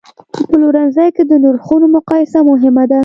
په پلورنځي کې د نرخونو مقایسه مهمه ده.